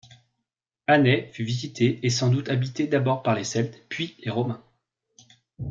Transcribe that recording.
Annay fut visitée et sans doute habitée d'abord par les Celtes puis les Romains.